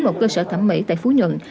một cơ sở thẩm mỹ tại phú nhận